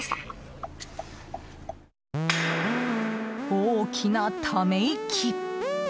大きなため息。